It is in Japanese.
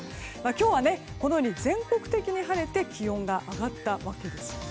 今日は全国的に晴れて気温が上がったわけです。